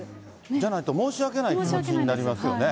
じゃないと申し訳ないという気持ちになりますよね。